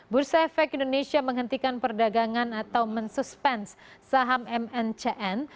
bursa efek indonesia menghentikan perdagangan atau mensuspense saham mncn